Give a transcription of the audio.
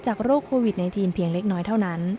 จากโรคโควิดในทีนเท่านั้น